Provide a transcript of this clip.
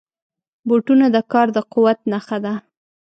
بوټونه د کار د قوت نښه ده.